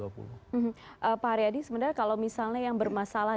pak haryadi sebenarnya kalau misalnya yang bermasalah